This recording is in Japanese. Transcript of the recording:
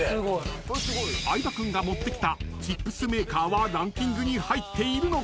［相葉君が持ってきたチップスメーカーはランキングに入っているのか？］